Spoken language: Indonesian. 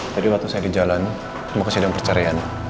tadi waktu saya di jalan mau ke sidang percarian